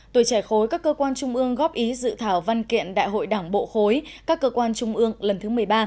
tuổi trẻ khối các cơ quan trung ương góp ý dự thảo văn kiện đại hội đảng bộ khối các cơ quan trung ương lần thứ một mươi ba